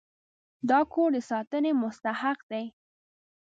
دا کور د ساتنې مستحق دی.